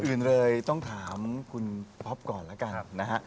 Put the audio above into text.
ก่อนอื่นเลยต้องถามคุณป๊อปก่อนละกันนะฮะ